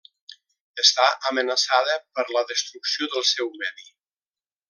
Està amenaçada per la destrucció del seu medi.